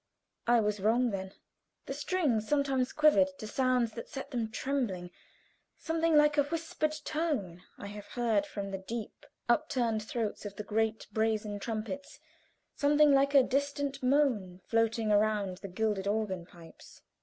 I was wrong then. The strings sometimes quivered to sounds that set them trembling; something like a whispered tone I have heard from the deep, upturned throats of great brazen trumpets something like a distant moan floating around the gilded organ pipes.